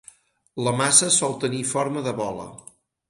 La massa sol tenir forma de bola.